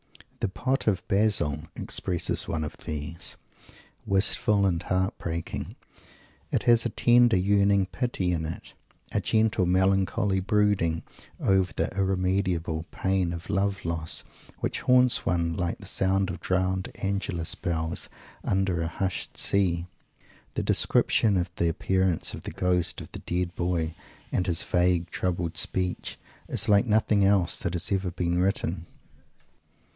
"The Pot of Basil" expresses one of these. Wistful and heart breaking, it has a tender yearning pity in it, a gentle melancholy brooding, over the irremediable pain of love loss, which haunts one like the sound of drowned Angelus bells, under a hushed sea. The description of the appearance of the ghost of the dead boy and his vague troubled speech, is like nothing else that has ever been written.